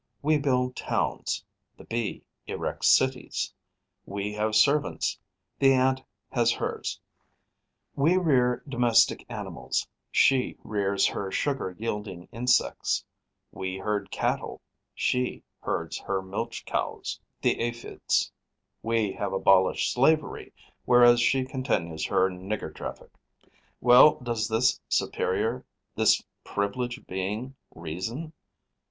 We build towns, the Bee erects cities; we have servants, the Ant has hers; we rear domestic animals, she rears her sugar yielding insects; we herd cattle, she herds her milch cows, the Aphides; we have abolished slavery, whereas she continues her nigger traffic. Well, does this superior, this privileged being reason?